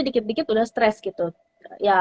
dikit dikit udah stres gitu ya